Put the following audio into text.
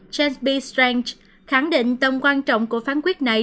james b strange khẳng định tầm quan trọng của phán quyết này